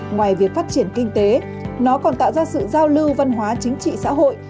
ngoài việc phát triển kinh tế nó còn tạo ra sự giao lưu văn hóa chính trị xã hội